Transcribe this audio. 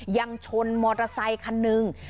ยังชนมอเตอร์ไซคันหนึ่ง